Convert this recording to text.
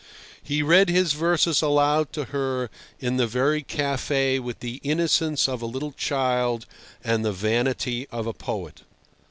He read his verses aloud to her in the very café with the innocence of a little child and the vanity of a poet.